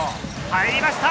入りました！